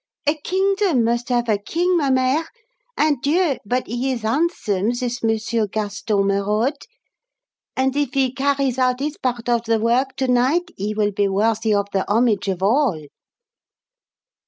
"A kingdom must have a king, ma mère; and Dieu: but he is handsome, this Monsieur Gaston Merode! And if he carries out his part of the work to night he will be worthy of the homage of all."